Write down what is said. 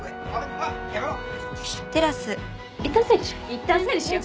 いったん整理しよう。